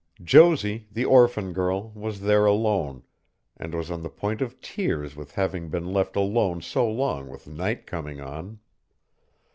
Josie, the orphan girl, was there alone, and was on the point of tears with having been left alone so long with night coming on.